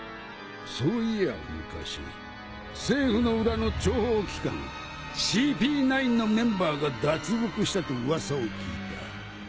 そういや昔政府の裏の諜報機関ＣＰ９のメンバーが脱獄したと噂を聞いた。